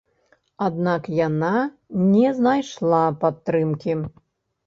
Аднак яна не знайшла падтрымкі.